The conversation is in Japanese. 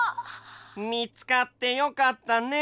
みつかってよかったね。